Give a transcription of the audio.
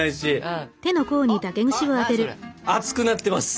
あっ熱くなってます。